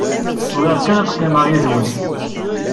Bɣiɣ kan ad qqimeɣ yid-wen.